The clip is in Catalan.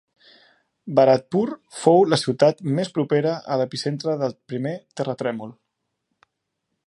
Bharatpur fou la ciutat més propera a l'epicentre del primer terratrèmol.